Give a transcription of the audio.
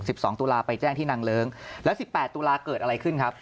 สิบสองตุลาไปแจ้งที่นางเลิ้งแล้วสิบแปดตุลาเกิดอะไรขึ้นครับ